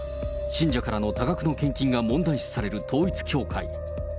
信者からの多額の献金が問題視される統一教会。